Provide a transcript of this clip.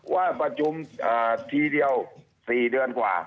ว่าประชุมทีเดียว๔เดือนกว่า